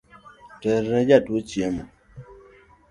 Terne jatuo chiemo